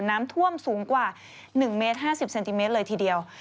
น้ำท่วมสูงกว่า๑เมตร๕๐เซนติเมตรเลยทีเดียว